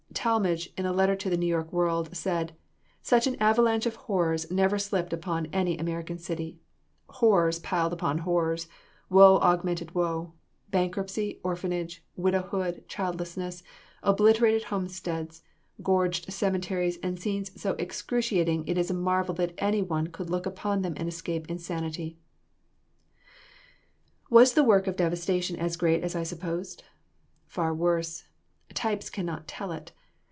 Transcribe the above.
Talmage in a letter to the New York World, said: "Such an avalanche of horrors never slipped upon any American city. Horrors piled on horrors, woe augmenting woe; bankruptcy, orphanage, widowhood, childlessness, obliterated homesteads, gorged cemeteries and scenes so excruciating it is a marvel that any one could look upon them and escape insanity "Was the work of devastation as great as I supposed? Far worse. Types can not tell it.